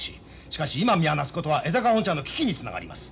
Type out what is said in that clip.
しかし今見放すことは江坂本社の危機につながります。